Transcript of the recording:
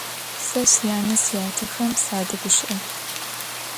Сэ сянэ-сятэхэм садэгущыӏэ.